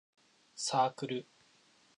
サークル